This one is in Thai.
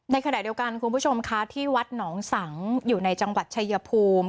ในขณะเดียวกันคุณผู้ชมคะที่วัดหนองสังอยู่ในจังหวัดชายภูมิ